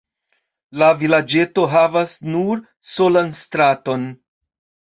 La vilaĝeto havas nur solan straton.